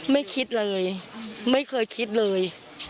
ไม่คิดเลยไม่เคยคิดเลย